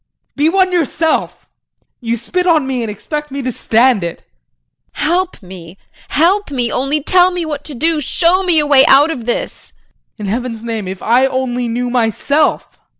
JEAN. Be one yourself. You spit on me and expect me to stand it. JULIE. Help me, help me. Only tell me what to do show me a way out of this! JEAN. In heaven's name, if I only knew myself.